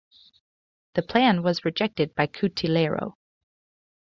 This plan was rejected by Cutileiro.